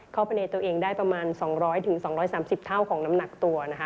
เข้าไปในตัวเองได้ประมาณ๒๐๐๒๓๐เท่าของน้ำหนักตัวนะคะ